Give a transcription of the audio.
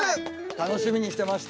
楽しみにしてました。